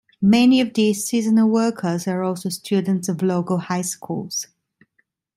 Many of these seasonal workers are also students of local high schools.